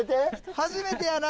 初めてやな。